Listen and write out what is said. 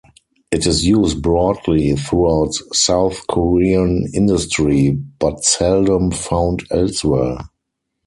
It is used broadly throughout South Korean industry, but seldom found elsewhere.